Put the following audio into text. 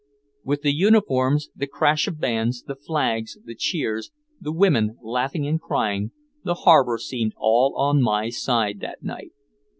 With the uniforms, the crash of bands, the flags, the cheers, the women laughing and crying, the harbor seemed all on my side that night.